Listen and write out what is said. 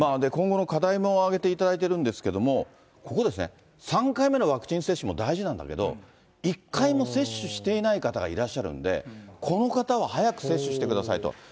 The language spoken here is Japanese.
今後の課題も挙げていただいてるんですけれども、ここですね、３回目のワクチン接種も大事なんだけど、１回も接種していない方がいらっしゃるんで、この方は早く接種してくださいと。